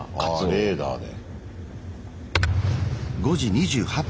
ああレーダーで。